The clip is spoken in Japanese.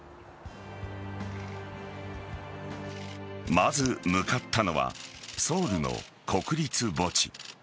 まず向かったのはソウルの国立墓地。